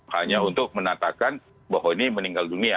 hanya untuk menatakan bahwa ini meninggal dunia